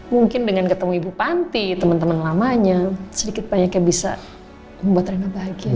mungkin dengan ketemu ibu panti teman teman lamanya sedikit banyaknya bisa membuat reyna bahagia ya